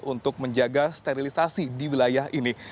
untuk menjaga sterilisasi di wilayah ini